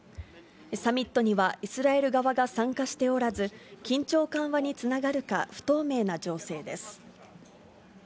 サミットにはイスラエル側は参加しておらず、緊張緩和につながるか不透明な情勢です。